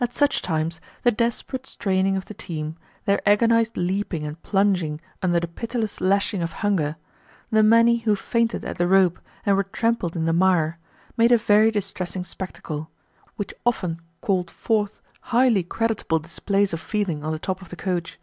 At such times, the desperate straining of the team, their agonized leaping and plunging under the pitiless lashing of hunger, the many who fainted at the rope and were trampled in the mire, made a very distressing spectacle, which often called forth highly creditable displays of feeling on the top of the coach.